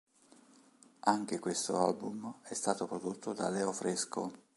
Anche questo album è stato prodotto da Leo Fresco.